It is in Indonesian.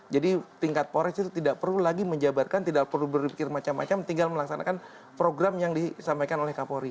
jadi tingkat polres itu tidak perlu lagi menjabarkan tidak perlu berpikir macam macam tinggal melaksanakan program yang disampaikan oleh kapolri